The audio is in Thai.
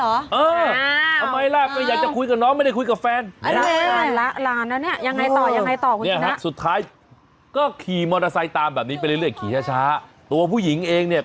เออทำไมล่ะไม่อยากจะคุยกับน้องไม่ได้คุยกับแฟน